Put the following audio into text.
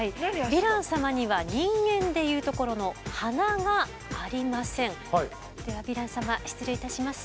ヴィラン様には人間で言うところのではヴィラン様失礼いたします。